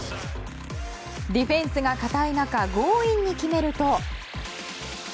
ディフェンスが堅い中強引に決めると。